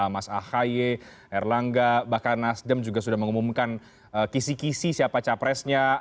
mas ahaye erlangga bahkan nasdem juga sudah mengumumkan kisi kisi siapa capresnya